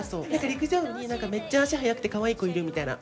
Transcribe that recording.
陸上部にめっちゃ足速くてかわいい子いるみたいな。